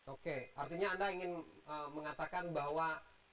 oke artinya anda ingin mengatakan bahwa